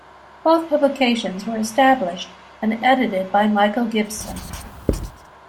Both publications were established and edited by Michael Gibson.